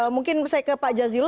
mungkin saya ke pak jazilul